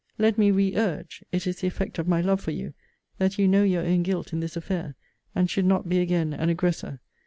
Let me re urge, [it is the effect of my love for you!] that you know your own guilt in this affair, and should not be again an aggressor.